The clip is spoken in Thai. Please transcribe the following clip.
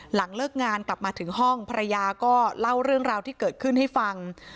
หลังเลิกงานกลับมาถึงห้องภรรยาก็เล่าเรื่องราวที่เกิดขึ้นให้ฟัง